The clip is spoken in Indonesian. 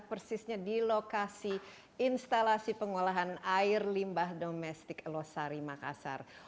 persisnya di lokasi instalasi pengolahan air limbah domestik losari makassar